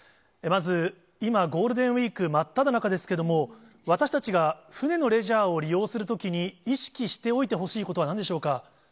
まず、今、ゴールデンウィーク真っただ中ですけれども、私たちが船のレジャーを利用するときに、意識しておいてほしいことはなんでしょうか。